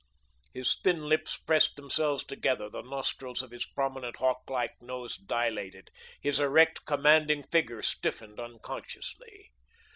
His thin lips pressed themselves together; the nostrils of his prominent hawk like nose dilated, his erect, commanding figure stiffened unconsciously.